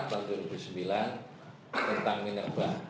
dan yang keempat tahun dua ribu sembilan tentang menerbah